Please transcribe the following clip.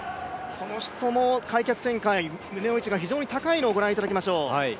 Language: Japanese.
この人も開脚旋回、胸の位置が高いのを注目いただきましょう。